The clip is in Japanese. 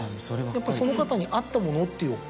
やっぱりその方に合ったものっていう？